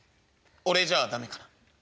俺じゃあダメかな？」。